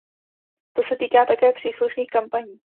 To se týká také příslušných kampaní.